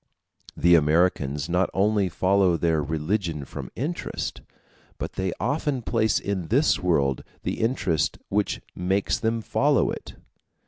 The Americans not only follow their religion from interest, but they often place in this world the interest which makes them follow it.